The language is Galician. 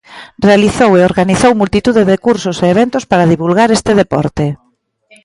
Realizou e organizou multitude de cursos e eventos para divulgar este deporte.